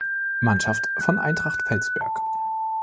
Mannschaft von Eintracht Felsberg.